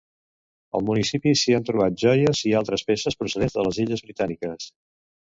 Al municipi s'hi han trobat joies i altres peces procedents de les Illes Britàniques.